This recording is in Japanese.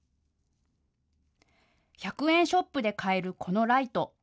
１００円ショップで買えるこのライト。